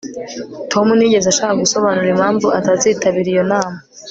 tom ntiyigeze ashaka gusobanura impamvu atazitabira iyo nama